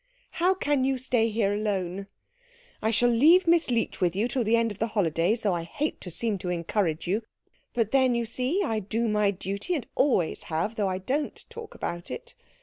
"How can you stay here alone? I shall leave Miss Leech with you till the end of the holidays, though I hate to seem to encourage you; but then you see I do my duty and always have, though I don't talk about it.